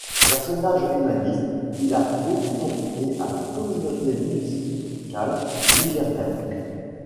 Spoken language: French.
Personnage humaniste, il a beaucoup manqué à la communauté musicale nigériane.